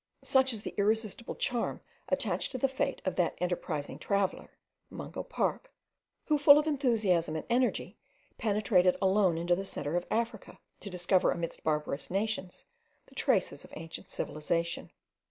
Such is the irresistible charm attached to the fate of that enterprising traveller (Mungo Park.), who, full of enthusiasm and energy, penetrated alone into the centre of Africa, to discover amidst barbarous nations the traces of ancient civilization.